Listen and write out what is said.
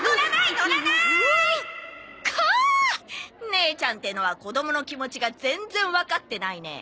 姉ちゃんっていうのは子供の気持ちが全然わかってないね。